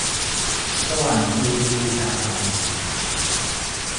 สว่างคีรีบูชาธรรม